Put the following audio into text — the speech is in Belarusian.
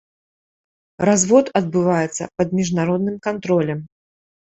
Развод адбываецца пад міжнародным кантролем.